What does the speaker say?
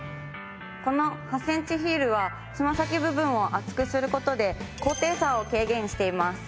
この８センチヒールはつま先部分を厚くする事で高低差を軽減しています。